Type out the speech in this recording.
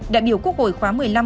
đại biểu quốc hội khóa một mươi năm